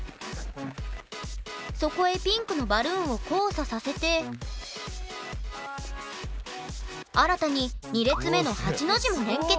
そこへピンクのバルーンを交差させて新たに２列目の８の字も連結。